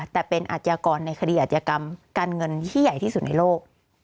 แต่เป็นอาชญากรในคดีอาจยกรรมการเงินที่ใหญ่ที่สุดในโลก